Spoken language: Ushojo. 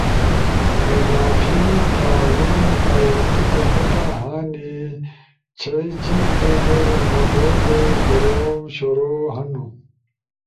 اضافی تعاون، اؤ تو تے پتہ ہنی چھے جیب در مݜو کئی کوروم شروع ہنو